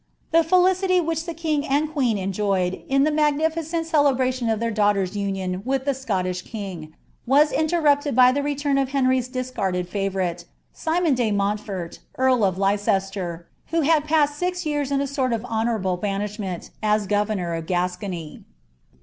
The felicity which the king and queen enjoyed, in the celebration of their daughter's union with the Scottish king rupted by the return of Henry's discarded favourite, Simon de Mnatfitft, | earl of Leicester, who had passed sis years in a sort of honotiniU* banishment, as governor of Gascony.